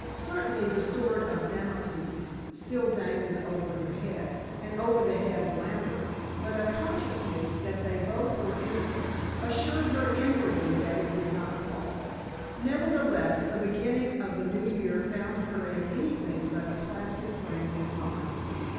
Certainly the sword of Damocles still dangled over her head, and over the head of Lambert, but a consciousness that they were both innocent, assured her inwardly that it would not fall. Nevertheless the beginning of the new year found her in anything but a placid frame of mind.